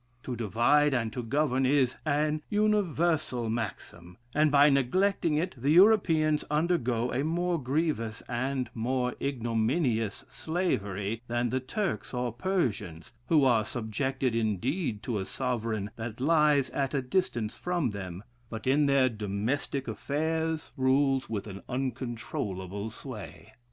To divide and to govern is an universal maxim; and by neglecting it, the Europeans undergo a more grievous and a more ignominious slavery than the Turks or Persians, who are subjected indeed to a sovereign that lies at a distance from them, but in their domestic affairs rules with an uncontrollable sway.